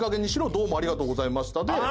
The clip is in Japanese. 「どうもありがとうございました」で。